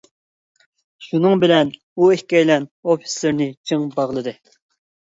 شۇنىڭ بىلەن ئۇ ئىككىيلەن ئوفىتسېرنى چىڭ باغلىدى.